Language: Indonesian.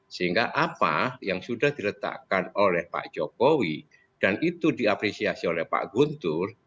sehingga apa yang sudah diletakkan oleh pak jokowi dan itu diapresiasi oleh pak guntur